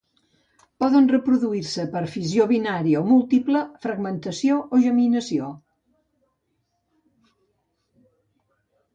Poden reproduir-se per fissió binària o múltiple, fragmentació o gemmació.